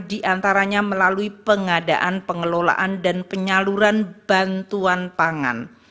diantaranya melalui pengadaan pengelolaan dan penyaluran bantuan pangan